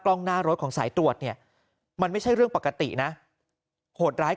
กล้องหน้ารถของสายตรวจเนี่ยมันไม่ใช่เรื่องปกตินะโหดร้าย